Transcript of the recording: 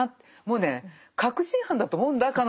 もうね確信犯だと思うんだ彼女は。